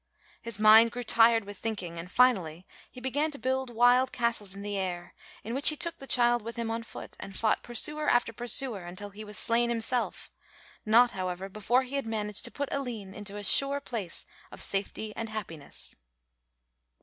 His mind grew tired with thinking and finally he began to build wild castles in the air, in which he took the child with him on foot and fought pursuer after pursuer, until he was slain himself, not however before he had managed to put Aline into a sure place of safety and happiness.